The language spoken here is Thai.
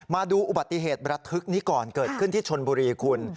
มาดูอุบัติเหตุระทึกนี้ก่อนเกิดขึ้นที่ชนบุรีคุณ